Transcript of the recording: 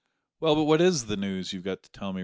"Well, but what is the news you've got to tell me?"